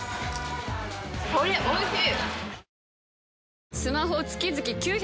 これおいしい！